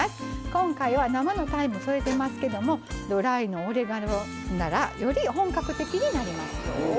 今回は生のタイムを添えてますけどもドライのオレガノならより本格的になりますよ。